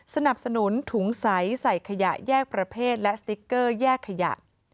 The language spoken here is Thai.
สนับสนุนถุงใสใส่ขยะแยกประเภทและสติ๊กเกอร์แยกขยะ